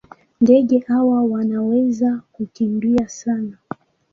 Ndege hawa wanaweza kukimbia sana.